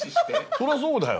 そりゃそうだよ！